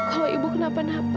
kalau ibu kena penapa